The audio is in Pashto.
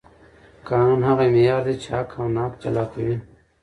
قانون هغه معیار دی چې حق او ناحق جلا کوي